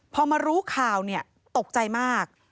พอมารู้ข่าวตกใจมาก